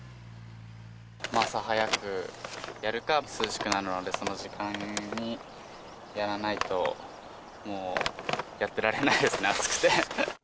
朝早くやるか、涼しくなるその時間にやらないと、もうやってられないですね、暑くて。